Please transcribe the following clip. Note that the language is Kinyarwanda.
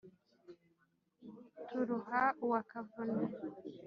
Turuha uwa Kavuna